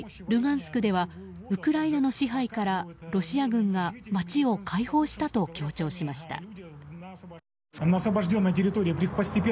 ルガンスクではウクライナの支配からロシア軍が街を解放したと強調しました。